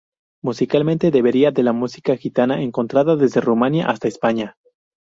Musicalmente derivaría de la música gitana encontrada desde Rumanía hasta España.